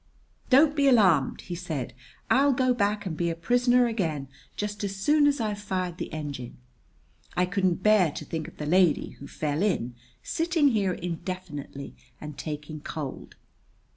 "Don't be alarmed!" he said. "I'll go back and be a prisoner again just as soon as I've fired the engine. I couldn't bear to think of the lady who fell in sitting here indefinitely and taking cold."